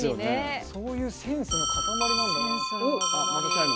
そういうセンスの塊なんだな。